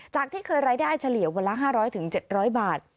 ที่เคยรายได้เฉลี่ยวันละ๕๐๐๗๐๐บาท